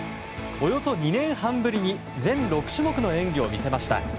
およそ２年半ぶりに全６種目の演技を見せました。